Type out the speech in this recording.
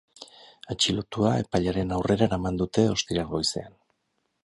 Atxilotua epailearen aurrera eraman dute ostiral goizean.